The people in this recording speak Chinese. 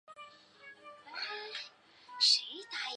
中国地方道路列表是依区域列出日本中国地方道路的列表。